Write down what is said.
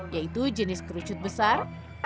yaitu jenis kerucut besar